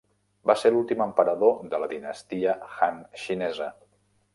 Va ser l'últim emperador de la Dinastia Han xinesa.